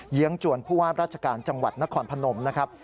จวนผู้ว่าราชการจังหวัดนครพนมนะครับ